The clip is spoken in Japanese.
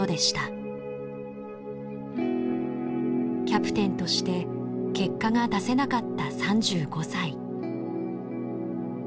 キャプテンとして結果が出せなかった３５歳。